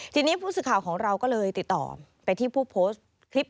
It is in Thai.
ทีนี้ผู้สื่อข่าวของเราก็เลยติดต่อไปที่ผู้โพสต์คลิป